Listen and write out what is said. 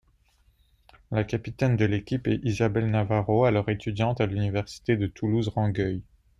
La capitaine de l'équipe est Isabelle Navarro, alors étudiante à l'université de Toulouse Rangueil.